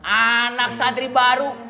anak santri baru